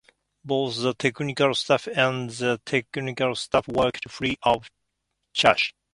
Both the technical staff and the teaching staff worked free of charge.